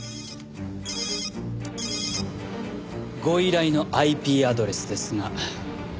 ご依頼のＩＰアドレスですが。